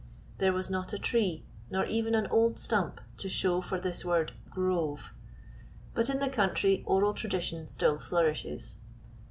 There was not a tree, nor even an old stump to show for this word "Grove." But in the country oral tradition still flourishes.